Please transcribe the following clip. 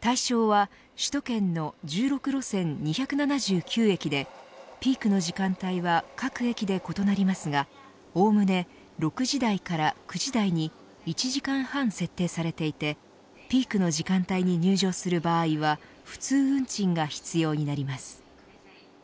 対象は首都圏の１６路線２７９駅でピークの時間帯は各駅で異なりますがおおむね６時台から９時台に１時間半設定されていてピークの時間帯に入場する場合は普通運賃が必要になります。